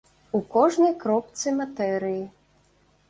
У кожнай кропцы матэрыі.